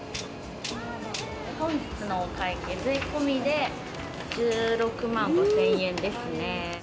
本日のお会計、税込みで１６万５０００円ですね。